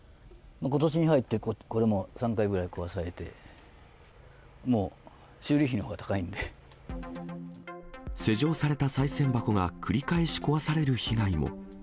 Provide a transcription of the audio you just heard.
ことしに入って、これも３回ぐらい壊されて、施錠されたさい銭箱が繰り返し壊される被害も。